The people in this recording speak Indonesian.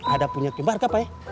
ada punya kembar apa ya